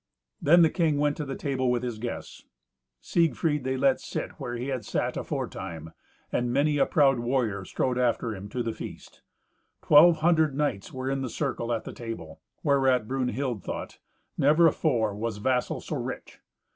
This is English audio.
Then the king went to table with his guests. Siegfried they let sit where he had sat aforetime, and many a proud warrior strode after him to the feast. Twelve hundred knights were in the circle at the table; whereat Brunhild thought, "Never afore was vassal so rich."